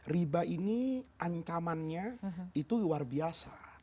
riba ini ancamannya itu luar biasa